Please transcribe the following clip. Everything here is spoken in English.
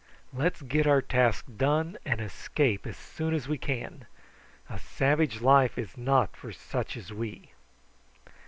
"Let's get our task done and escape as soon as we can. A savage life is not for such as we."